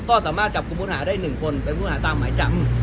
ก็สามารถจับคุมภาคได้หนึ่งคนเป็นคุมภาคตามหมายจับอืม